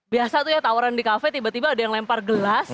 biasa tuh ya tawaran di kafe tiba tiba ada yang lempar gelas